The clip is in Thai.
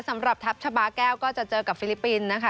สำหรับทัพชาบาแก้วก็จะเจอกับฟิลิปปินส์นะคะ